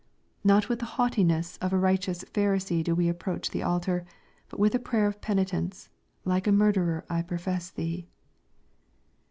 Not with the haughtiness of a righteous pharisee do we approach the altar, but with a prayer of penitence: "like a murderer I profess Thee."